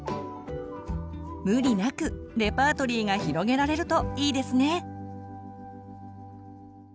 無理なくレパートリーが広げられるといいですね。